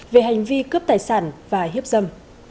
về hành vi cướp tài sản và hiếp dâm